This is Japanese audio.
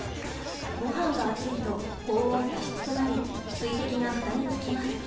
ごはんが熱いと高温多湿となり水滴がフタにつきます。